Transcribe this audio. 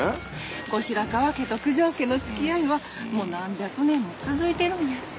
後白河家と九条家の付き合いはもう何百年も続いてるんやて。